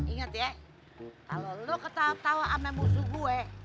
ingat ya kalo lo ketawa ketawa sama musuh gue